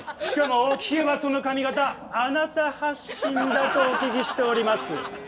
しかも聞けばその髪形あなた発信だとお聞きしております。